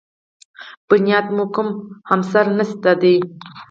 بنیاد مو کې همسر نشته دی.